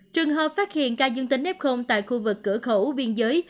trường hợp phát hiện ca dương tính f tại khu vực cửa khẩu biên giới